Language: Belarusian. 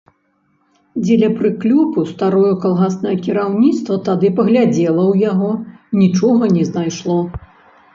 Дзеля прыклёпу старое калгаснае кіраўніцтва тады паглядзела ў яго, нічога не знайшло.